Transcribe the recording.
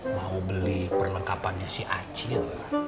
mau beli perlengkapannya si acil